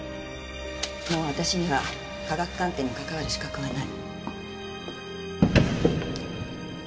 もう私には科学鑑定に関わる資格はない。